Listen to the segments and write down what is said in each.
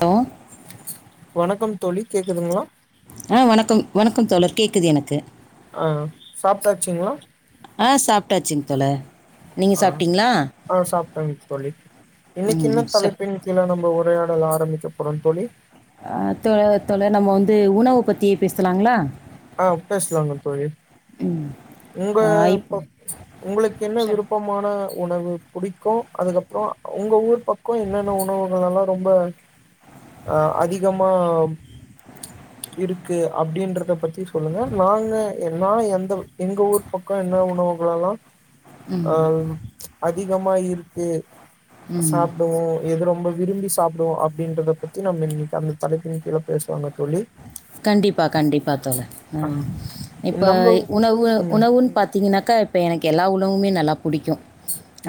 தோ வணக்கம் தோழி கேக்குதுங்களா ஆஹ் வணக்கம் வணக்கம் தோழர் கேக்குது எனக்கு ஆஹ் சாப்ட்டாச்சுங்களா ஆ சாப்பிட்டாச்சுங்க தோழர் நீங்கள் ஆஹ் சாப்பிட்டீங்களா ஆஹ் சாப்டங்க தோழி ம் இன்னிக்கென்ன சார் தலைப்பின் கீழே நம்ம உரையாடலா அதுக்கப்புறம் தோழி அஹ்தோழர் தோழர் நம்ம வந்து உணவு பத்தியே பேசலாங்களா ஆஹ் பேசலாங்க தோழி உங்க ஆ, இப்போ உங்களுக்கு என்ன சார் விருப்பமான உணவு புடிக்கு அதுக்கப்புறம் உங்க ஊர் பக்கம் என்னென்ன உணவுகள் எல்லா ரொம்ப அதிகமா இருக்கு அப்டின்றத பத்தி சொல்லுங்க நாங்க நா எந்த எங்க ஊர் பக்கம் என்ன உணவுகள் எல்லாம் ம் அஹ் அதிகமா இருக்கு ம் சாப்டுவோ எது ரொம்ப விரும்பி சா சாப்பிடுவேம் அப்டின்றத பத்தி நம்ம இன்னிக்கு அந்த தலைப்பின் கீழே பேசுவோமா தோழி கண்டிப்பா கண்டிப்பா நா தோழர் ஆ இப்ப நம்ம உணவு ம் உணவுன்னு பாத்தீங்கன்னாக்கா இப்ப எனக்கு எல்லா உணவுமே நல்லா புடிக்கு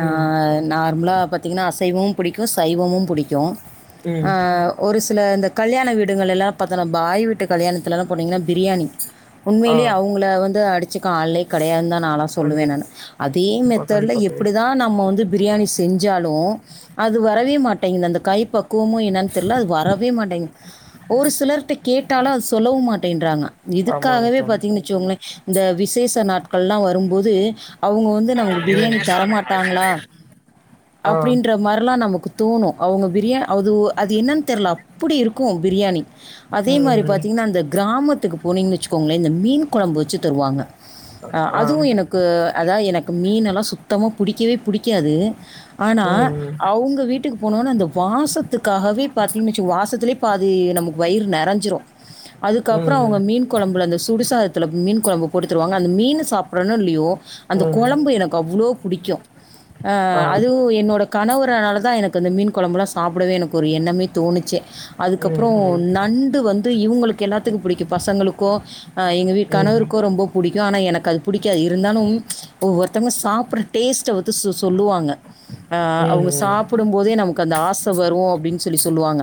அ ம் நார்மலா பட் பாத்தீங்கனா அசைவம் பிடிக் சைவமும் பிடிக்கும் அ ம் ஒரு சில இந்த கல்யாண வீடுகள் எல்லாம் பாத்தா பாய்விட்டு கல்யாணத்துலாம் போனீங்கன்னா பிரியாணி ஆ உண்மையிலயே அவங்கள வந்து அடிச்சுக்க ஆள்யே கிடையாதுன்தா நா எல்லா சொல்லுவேன் கண்டிப்பா நானு அதே மெத்தட்ல கண்டிப்பா தோழி எப்படிதான் நம்ம வந்து பிரியாணி செஞ்சாலும் அது வரவே மாட்டேங்குது அந்த கை பக்குவமும் என்னன்னு தெரியில அது வரவே மாட்டேங்குது ஒரு சிலர்கிட்ட கேட் கட்டாலும் அது சொல்லவும் மாட்டேன்றாங்க ஆமாங்க இதுக்காகவே தோழி பாத்தீங்கன்னு வச்சோங்களேன் இந்த விசேஷ நாட்கள்ல்லா வரும்போது அவங்க வந்து நமக்கு ம் பிரியாணி தரமாட்டாங்களா ஆ அப்படின்ற மாதிரல்லா நமக்கு தோணும் அவங்க பிரியா அது அது என்னன்னு தெரில அப்படி இருக்கும் பிரியாணி ம் அதே மாரி இப்ப ம் பார்த்தீங்கன்னா அந்த கிராமத்துக்கு போனீங்கன்னு வச்சுக்கோங்களேன் இந்த மீன் குழம்பு வச்சு தருவாங்க ஆ அதுவும் எனக்கு அதாவது எனக்கு மீன்னெல்லாம் சுத்தமா பிடிக்கவே பிடிக்காது ஆனா ம் அவங்க வீட்டுக்கு போனோனே அந்த வாசத்துக்காகவே பாத்தீங்கன்னு வச்சு வாசத்துலயே இ பாது நமக்கு வயிறு நிறைஞ்சிரும் அதுக்கப்புறம் ம் அவங்க மீன் குழம்புல அந்த சுடுசாத இத மீன் குழம்பு போட்டுத்துருவாங்க அந்த மீன் சாப்பிடணும் இல்லையோ அந்த குழம்பு எனக்கு அவ்வளோ புடிக்கும் ஆஹ் அதுவும் என்னோட கனவறனாலதா எனக்கு அந்த மீன் குழம்புலாம் சாப்பிடவே எனக்கு ஒரு எண்ணமே தோணுச்சே அதுக்கப்புறம் நண்டு வந் இவங்களுக்கு எல்லாத்துக்கும் பிடிக்கும் பசங்களுக்கும் ஆ எங்க வீ ம் கணவருக்கும் ரொம்ப பிடிக்கும் ஆனா எனக்கு அது பிடிக்காது இருந்தாலும் ஒவ்வொருத்தவங்க சாப்படுற டேஸ்ட்டை வந்து சொல்லுவாங்க அ அவங்க ம் சாப்பிடும் போதே நமக்கு அந்த ஆசை வரும் அப்படின்னு சொல்லி சொல்லுவாங்க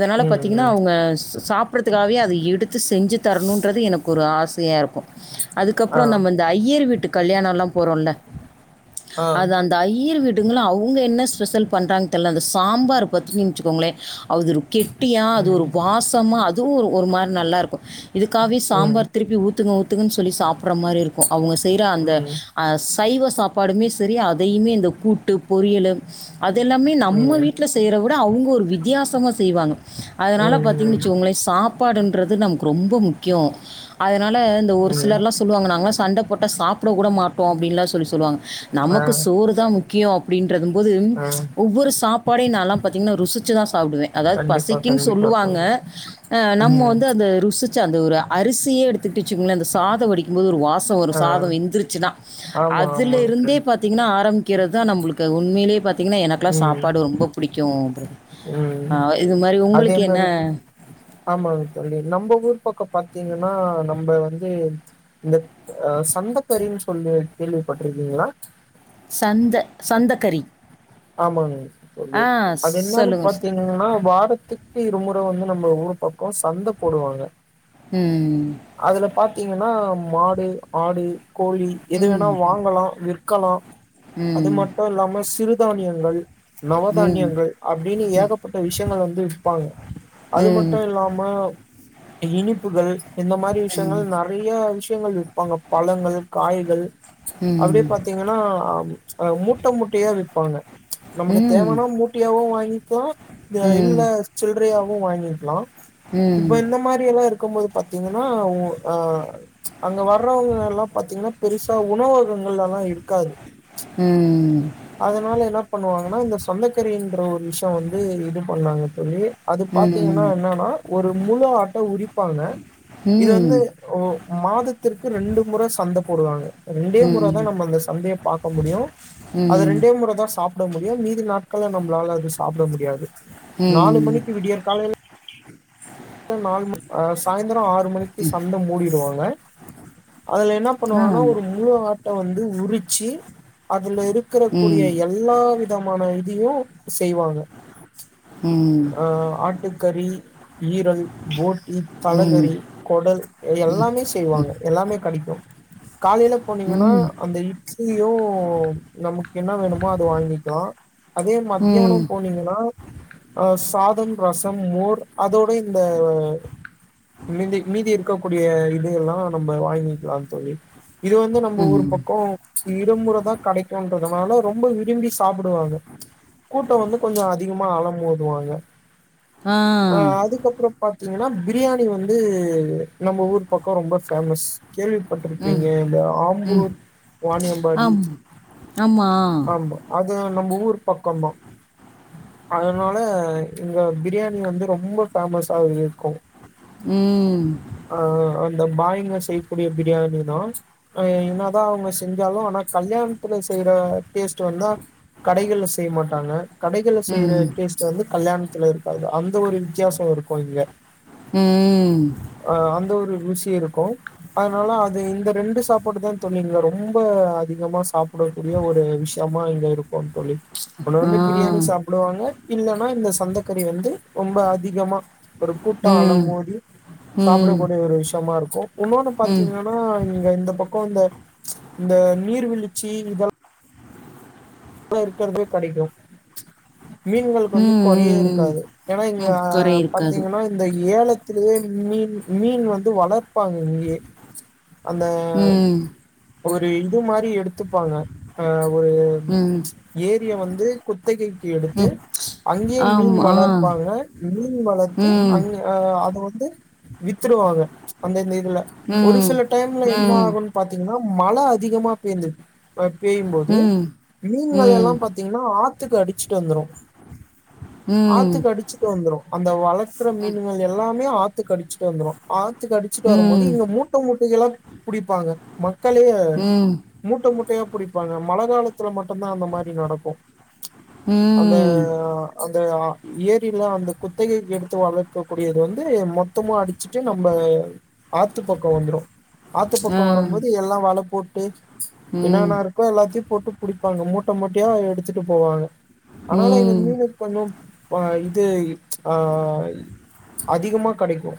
ம் பத்தீங்கன்னா அவங்க சாப்ப ப்படத்துக்காகவே அதை எடுத்து செஞ்சு தரணும்ன்றது எனக்கு ஒரு ஆசையா இருக்கும் ஆ அதுக்கப்புறம் நம்ம இந்த ஐயர் வீட்டு கல்யாணம் எல்லாம் போறோல ம் அது அந்த ஐ ஐயர் வீடுங்கலா அவங்க என்ன ஸ்பெஷல் பண்றாங்க தெரில அந்த சாம்பார் [unintelligible] அ கெட்டியா அது ம் வாசமா அது துவும் ஒரு மாதிரி நல்லா இருக்கும் இதுக்காகவே ம் சாம்பார் திருப்பி ஊத்துங்க ஊத்துங்கன்னு சொல்லி சாப்பிடற மாதிரி இருக்கும் அவங்க செய்யற அந்த ம் சைவ சாப்பாடுமே சரி அதையுமே இந்த கூட்டு பொரியல் அததெல்லாமே நம்ம ம் வீட்டல செய்யற விட அவங்க ஒரு வித்தியாசமா செய்வாங்க அதனால பாத்தீங்க ம் ம் ஆ ஆ ம் வெச்சுகோங்களே சாப்பாடுன்றது நமக்கு ரொம்ப முக்கியம் அதனால ம் ம் ம் இந்த ம் ஒரு ம் ம் சிலர்லாம் சொல்லுவாங்க நாங்களாம் சண்டை போட்டால் சாப்பிட கூட மாட்டோம் அப்படின்லாம் சொல்லி சொல்லுவாங்க நமக்கு ஆ சோறுதா முக்கியம் அப்படின்றதும் போது ஆ ஒவ்வொரு சாப்பாடையும் நான்ல்லாம் பார்த்தீங்கன்னா ருசிச்சுதா சாப்பிடுவேன் அதாவது கண்டிப்பா பசிக்குன்னு கண்டிப்பாப்பா. சொல்லுவாங்க அ நம்ம ம். வந்து அந்த ருசுச் அந்த ஒரு அரிசியை எடுத்துட்டு வச்சுங்கள அந்த சாதம் வடிக்கும் போது ஒரு வாச ஒரு ஆ சாதம் வெந்துருச்சுனா ஆமா, அதுல ஆமாங்க இருந்தே தோழி. பாத்தீங்கன்னா ஆரம் கிறதா நம்மளுக்கு உண்மையிலே பத் பாத்திங்கன்னா எனக்கலா ம், சாப்பாடு ரொம்ப புடிக்கி பிரதர் ம். ஆஹ் இது மாரி அதே உங்களுக்கு என்ன மாரி ஆமாங்க தோழி நம்ம ஊர் பக்கம் பாத்தீங்கன்னா நம்ம வந்து இந்த ஆஹ் சந்தக்கரின்னு சொல்லுவோ கேள்விப்பட்டிருக்கீங்களா சந்த சந்தகரி ஆமாங்க தோழி அது என்னன்னு சொல்லுங்க சொ பாத்தீங்கன்னா வாரத்துக்கு இருமுற வந்து நம்ம ஊரு பக்கம் சந்த போடுவாங்க உம் அதுல பாத்தீங்கன்னா மாடு ஆடு கோழி எது வேணா ம். வாங்கலா விற் காலா ம். அது ம். மட்டும் இல்லாம சிறுதானியங்கள் நவ ம். தானியங்கள் அப்டின்னு ஏகப்பட்ட விஷ்யங்க வந்து விப்பாங்க ம். அது ம். மட்டும் இல்லாம இனிப்புகள் இந்த மாதிரி விஷ்யங்கள் நறைய பெங்களூர் வப்பாங்க பழங்கள் காய்கள் அப்டியே ம். பாத்தீங்கன்னா ஆஹ் மூட்ட மூட்டயா விப்பாங்க நமக்கு ம். தேவானா மூட்டயாவும் வாங்கிக்கலாம் இல்ல ம். ம். சில்றையாவும் வாங்கிக்கலாம் ம். இப்ப இந்த மாத்ரி எல்லாம் இருக்கும் போது ஏன்னா உ ஆஹ அங்க வர்றவங்க எல்லா பாத்தீங்கன்னா பெருசா உணவகங்க எல்லா இருக்காது அதனால என்ன பண்ணுவாங்கன் னா இந்த சொந்தகறி என்ற ஒரு விஷ்யம் வந்து இது பண்ணாங்க தோழி அது ம். பாத்தீங்கன்னா என்னன்னா ஒரு முழு ஆட்ட உறிப்பாங்க இது வந்து ஓ மாதத்திற்கு ரெண்டு முற சந்தை போடுவாங்க ரெண்டே முற தா நம்ம அந்த சந்தையை பாக்க முடியும் ம். அது ம். ரெண்டே முற தா சாப்ட முடியும் மீதி நாட் க்கள்ள நம்மளால எதும் சாப்ட முடியாது நாலு ம். மணிக்கு விடியர் காலைல நாலு மணி ஆஹ் சாய்ந்தரம் ஆறு மணிக்கு சந்த மூடிடுவாங்க அதுல என்ன ஆ. பண்ணுவாங்கன்னா ஒரு முழு ஆட்ட வந்து உறிச்சு அதுல இருக்கிற கூடிய ம். எல்லா விதமான தியு செய்வாங்க ம். ம். ஆஹ் ஆட்டுக்கறி ஈரல் போட்டி தலகறி கொடல் எல்லாமே செய்வாங்க எல்லாமே கடைக்கும் காலையில போனீங்கன்னா ம். அந்த இட்லியும் நமக்கு என்ன வேணுமோ அது வாங்கிக்கலா அதே மத்தியான ம். போனீங்கன்னா ஆஹ் சாதம் ரசம் மோர் அதோட இந்த மிதி மீதி இருக்க இருக்க கூடிய இதுல்லாம் நம்ம வாங்கிக்கலா தோழி இது வந்து நம்ம ஊர் ம். பக்கம் இடமுறை தான் கிடைக்கும்ன்றதுனால ரொம்ப விரும்பி சாப்பிடுவாங்க கூட்டம் வந்து கொஞ்ச அதிகமா அலம்பு [unintelligible] ஆ. ஆஹ் அதுக்கப்புறம் ப பாத்தீங்கன்னா பிரியாணி வந்து நம்ம ஊர் பக்கம் ரொம்ப ஃபேமஸ் கேள்விப்பட்டிருப்பீங்க ம். இந்த ம். ஆம்பூர் வாணியம்பாடி ஆம். ஆமா. ஆமா அ நம்ம ஊர் பக்கந்த அதனால இங்க பிரியாணி வந்து ரொம்ப ஃபேமஸா இருக்கு உம் இந்த பாய்ங்க செய்யக்கூடிய பிரியாணி தான் என்ன தான் அவங்க செஞ்சாலும் ஆனா கல்யாணத்துல செய்யற டேஸ்ட்ட் வந்தா கடைகள செய்ய மாட்டாங்க கடைகளை செய்யற ம். டேஸ்ட் வந்து கல்யாணத்துல இருக்காது அந்த ஒரு வித்தியாசம் இருக்கும் இங்க உம்ஹ் அ அந்த ஒரு ருசி இருக்கு அதனால அது இந்த ரெண்டு சாப்பாடு தான் தோழிங்க ரொம்ப அதிகமா சாப்பிடக்கூடிய ஒரு விஷயமா இங்க இருக்கு தோழி உன்ன ஆ வந்து பிரியாணி ம். சாப்பிடுவாங்க இல்லலைன்னா இந்த சொந்தக்கறி வந்து ரொம்ப அதிகமா ஒரு கூட்டம் அள ம். மோதி ம். சாப்பிடக்கூடிய ஒரு விஷயமா இருக்கு இன்னொன்னு ம். ம். பாத்தீங்கன்னா இங்க இந்த பக்கம் இந்த இந்த நீர்வீழ்ச்சி இதெல்லாம் இருக்கிறதுே கிடைக்கும் மீன்களுக்கு வந்து குறையே ம். இருக்காது ஏன்னா இங்க ம். குறை இருக்காது. பாத்தீங்கன்னா இந்த ஏழ ய மீன் மீன் வந்து வளர் ப்பாங்க இங்கேயே அந்த ம். ஒரு இது மாதிரி எடுத்து த்துப்பாங்க ஒரு ம். ஏரிய வந்து குத்தகைக்கு எடுத்து ம். அங்கேயே மீன் ஆமா. வளர்ப்பாங்க மீன் வளர்த்து ம். அங்க அஹ் அத வந்து வித்தருவாக அந்த இந்த இதுல ஒரு ம். சில டைம்ல என்ன ம். ஆகும்ன் பாத்தீங்கன்னா மழை அதிகமா பெர்ந்தது பேயும் போது ம். மீன்கள் ம். எல்லாம் பாத்தீங்கன்னா ஆ த்துக்கு அடிச்சுட்டு வந்துரும் ம். ஆத்துக்கு அடிச்சுட்டு வந்துரும் அந்த வழ குற மீன்கள் எல்லா [unintelligible] ஆத்து கடிச்சுட்டு வந்துடும் ஆத்து அடிச்சிட்டு வரும்போது ம். இங்க மூட்டை மூட்டைகள்ல்லா புடிப்பாங்க ம லே ம். மூட்ட மூட்ட தே பிடிப்பாங்க மழை காலத்து த்துல மட்டும்தா அந்த மாதிரி நடக்கு அந்த ம். அந்த ஏரியில அந்த குத்தகைக்கு எடுத்து வளர்க்கக்க கூடியது வந்து மொத்தமா அடிச்சுட்டு நம்ம ஆத்து பக்கம் வந்துரு ஆத்து ஆ. பக்கம் வரும்போது எல்லா வல போட்டு [inaudible] ம். என்னனா இருக்கோ எல்லாத்தையு போட்டு குடிப்பாங்க மூட்டை மூட்டையா எடுத்துட்டு போவாங்க ஆனால எங்க ம். ம். மீனுக்கு கொஞ்சு அ இது ஆ அதிகமா கெடைக்கு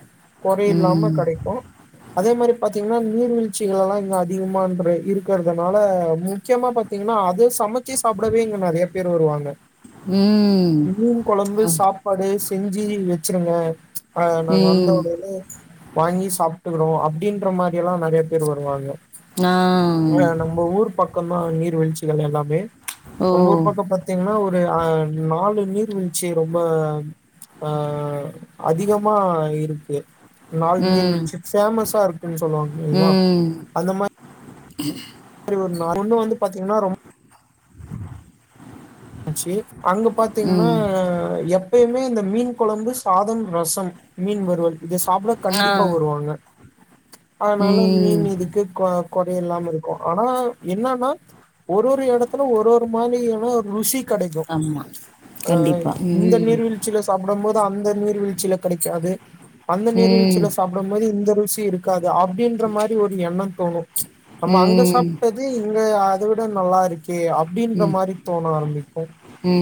குறை இல்லாம ம். கெடைக்கு அதே மாரி பாத்தீங்க [unintelligible] நீர்வீழ்ச்சிகள் எல்லா இங்க அதிகமா இருக்கிறதுனால முக்கியமா ப பாத்தீங்கன்னா அது சமைச்சு சாப்பிடவே இங்க நெறைய பேரு வருவாங்க ம். மீன் கொழம்பு சாப்பாடு செஞ்சி வெ வச்சிருங்க ஆ நாங்க வந்தோ ம். ஒடனே வாங்கி சாப்பிட்டுறோ அப்படின்ற மாரி எல்லா நெறைய பேர் வருவாங்க ஆ மா நீ நீர்வீழ்ச்சிகள் எல்லாமே ஓ. நம்மூர்பக்கோ பாத்தீங்கன்னா ஒரு ஒரு அ நாலு நீர்வீழ்ச்சி ரொம்ப ஆ அதிகமா இருக்கு நால் நீர் ம். வீழ்ச்சி பேமஸ்ஸா இருக்குன்னு சொல்லுவாங்க இல்லங்களா ம். அந்த மாரி [inaudible] ஒன்னு வந்து பாத்தீங்கன்னா ரொம்ப ஆச்சி அங்க பாத்தீங்கன்னா ம். எப்பயுமே இந்த மீன் குழம்பு சாதம் ரசம் மீன் வருவல் இத சாப்பிட ஆ. கண்டிப்பா வருவாங்க அதனால ம். மீன் இதுக்கு குழ கொடி இல்லாம இருக்கும் ஆனா என்னன்னா ஒரு ஒரு இடத்துல ஒரு ஒரு மாரியான ருசி கிடைக்கும் ஆமா. ச்சு ஆஹ் கண்டிப்பா. இந்த ம். நீர்வீழ்ச்சியில சாப்படமோது கும் அந்த நீர் வீழ்ச்சில கடைக்காது அந்த ம். நீர்வீழ்ச்சில சாப்பிடும் போது இந்த ருசி இருக் கு அப்டின்ற மாரி ஒரு எண்ணம் தோணும் ச்சு நம்ம அங்க ம். சாப்டது இங்க ஆ இதவிட நல்லா இருக் கே அப்டின்ற ம். மாரி ஆரம்பிக்கு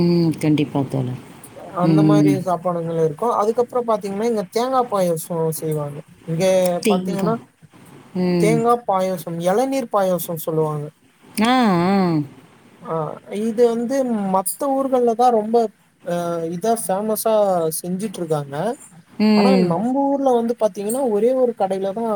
ம் கண்டிப்பா தோழர். ச்சு அந்த மாரி ம். சாப்பாடுங்கல இருக் கு அதுக்கப்புறம் பாத்தீங்கன்னா இங்க தேங்கா பாயசம் செய்வாங்க இங்க தேங்கா. பாத்தீங்கன்னா தேங்கா பாயசம் ம் எளநீர் பாயசோ சொல்லுவாங்க ஆஹ் ஆஹ் ஆ இது வந்து மத்த ஊர்களா தான் ரொம்ப இதான் ஃபேமஸ்ஸா செஞ்சுட்டுருக்காங்க ஆனா ம். நம்ம ஊர்ல வந்து பாத்தீங்கன்னா ஒரே ஒரு கடைல தான்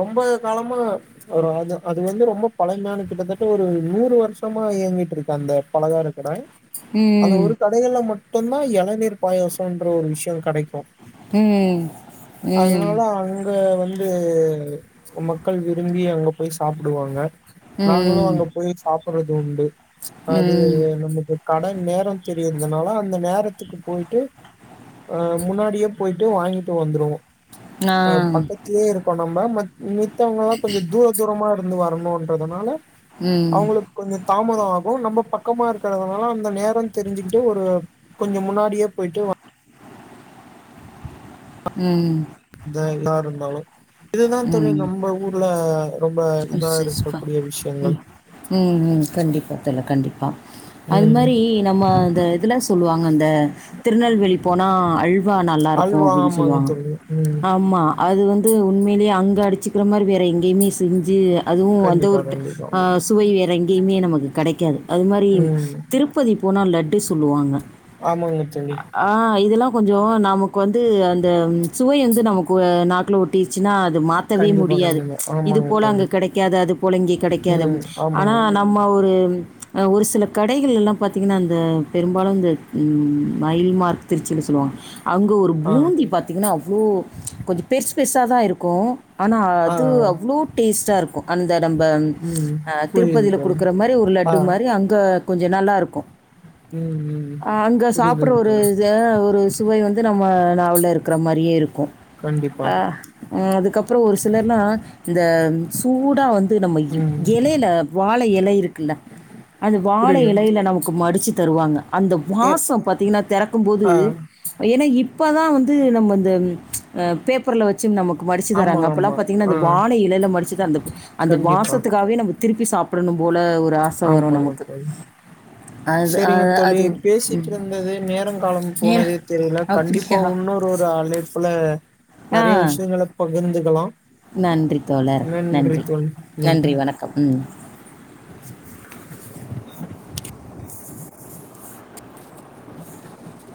ரொம்ப காலமா ச்சு ஒரு அது அது வந்து ரொம்ப பலமையானது கிட்டத்தட்ட ஒரு ஒரு நூறு வருஷமா இயங்கிட்டு இருக்கு அந்த பலகார கடை ச்சு அந்த ம். ஒரு கடையில மட்டும் டும்தான் எளநீர் பாயாசம்ன்ற ஒரு விஷயம் கடைக்கும் உம் உம் ங்க வந்து மக்கள் விரும்பி அங்க போய் சாப்பிடுவாங்க உம் ய் சாப்படுறது உண்டு ச்சு அது நமக்கு கட நேரம் தெரியறதுனால அந் ந்த நேரத்துக்கு போயிட்டு ஆஹ் முன்னாடியே போயிட்டு வாங்கிட்டு வந்துருவோம் ச்சு ஆ. ஆஹ் பக்கத்திலே இருக்கோம் நம்ப மத் மித்தவங்கலாம் கொஞ்சம் தூர தூரமா இருந்து வரணும் இன்றதுனால ம். அவங்களுக் கொஞ்ச தாமதம் ஆகும் நம்ப பக் பக்கமா இருக்கறதனால அந்த நேரம் தெரிஞ்சுக்கிட்டு ஒரு கொஞ்ச முன்னாடியே போயிட்டு வா ம் இந்த எல்லாருந்தாலு இதுதா தோழி நம்ப ஊர்ல ரொம்ப இதா இருக்கக்கூடிய விஷயங்கள் [unintelligible] உம் உம் கண்டிப்பா தோழ கண்டிப்பா த அது ம் மாரி நம்ம இந்த இதுல சொல்லுவாங்க இந்த திருநெல்வேலி போனா அல்வா நல்லா இருக்கு அதுவா அப்படின்னு ஆமாங்க சொல்லுவாங்க தோழி ம் ஆமா அது வந்து உண்மேலையே அங்க அடிச்சிக்கிற மாரி வேற எங்கே தெர்ஞ்சு அதுவு அந்த கண்டிப்பா ஒரு த கண்டிப்பா ஆ சுவை வேற எங்கேயுமே நமக்கு கடைக்காது அது மாரி ம் திருப்பதி போனா லட்டு சொல்லுவாங்க ஆமாங்க தோழி கொஞ்சொ நமக்கு வந்து அந்த சுவை வந்து நமக்கு வ நாக்ல ஒட்டி ச்சுனா அது மாத்தவே கண்டிப்பா முடியாது கண்டிப்பா ச்ச் இது ஆமாங்க போல அங்க தோழி கெடைக்காது அது போல இங்க கெடைக்காது அப் ம் ஆனா ஆமாங்க தோ நம்ம ஒரு அ ஒரு சில கடைகள்ல்லா பாத்தீங்கன்னா அந்த பெரும்பாலும் அந்த ம் மயில்மார்க் திருச்சின் சொல்லுவாங்க அங்க ஒரு ஆ பூந்தி பாத்திங்ன்னா அவ்ளோ கொஞ் பெர்ஸ் பெர்ஸா தா இருக்கு ஆனா ஆ அது அவ் [unintelligible] டேஸ்டா இருக்கு அந்த நம்ப ம் அ புரியுது திருப்பதில தோழி குடுக்கற மாரி ஒரு ஆ லட்டு மாரி அங்க கொஞ்சோ நல்லா இருக்கூ ம் ம் அ அங்க சாப்புட்ற புரியுதுங்க ஒரு தோழி அ ஒரு சுவை வந்து நம்ம [unintelligible] இருக்கிற மாரியே இருக்கு கண்டிப்பா அ ம் அதுக்கப்புறோ ஒரு சி து மேர்னா இந்த சூடா வந் து நம்ம இ ம் எலையில வாழ எல இருக்குல்ல அது வாழை இலையில புரியலங்க நமக்கு மடிச்சு தருவாங்க அந்த ஏ வாசோ பாத்தீங்கன்னா தெறக்கும்போது ஆ ஏன்னா இப்போ தா வந்து நம்ம இந்த ச்ச் அ பேப்பர்ல வச்சு நமக் மடிச்சு ஆமா தராங்க அப்பல்லா ஆமா பாத்தீங்னா ஆ இந்த வாழை இலைல மடிச்சுது அந்த அந்த கண்டிப்பா வாசத்துக்காவே நம்ம திருப்பி சாப்பிடணு போ ஆமாங்க தோழி அது அ செரிங்க தோழி அது ம். பேசிட்டுருந்தது நேரங் காலம் நேரம் போனதே தெரியில அப்படியா கண்டிப்பா இன்னொரு ஒரு அழைப்புல ஆ நெறைய விஷயங்கள் அப்போ பகிர்ந்துக்கலா நன்றி தோழர் நன்றி நன்றி வணக்கம் ம் [inaudible] [inaudible] [inaudible]